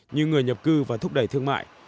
như người nhập cư và thúc đẩy thương mại